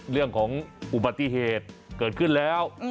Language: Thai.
เรื่องของอุบัติเหตุเกิดขึ้นแล้ว